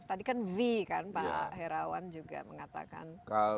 tadi kan v kan pak herawan juga mengatakan